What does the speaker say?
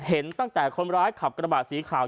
เห็นตั้งแต่คนร้ายขับกระบะสีขาว